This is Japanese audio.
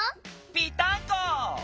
ぴったんこ。